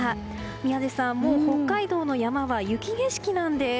宮司さん、北海道の山はもう雪景色なんです。